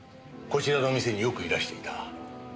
こちらの店によくいらしていた。